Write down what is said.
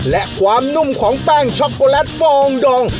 และความนุ่มของแป้งช็อกโกแลตฟองดอง